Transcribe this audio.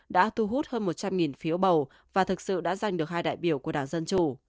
đã thu hút hơn một trăm linh phiếu bầu và thực sự đã giành được hai đại biểu của đảng dân chủ